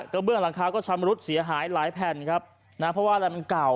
เบื้องหลังคาก็ชำรุดเสียหายหลายแผ่นครับนะเพราะว่าอะไรมันเก่า